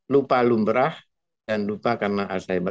lupa lumrah dan lupa karena alzheimer